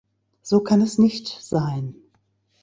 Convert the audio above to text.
So kann es nicht sein!